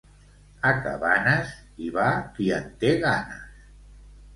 A Cabanes, hi va qui en té ganes.